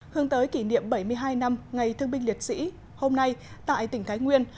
hướng tới kỷ niệm bảy mươi hai năm ngày thương binh liệt sĩ hôm nay tại tỉnh thái nguyên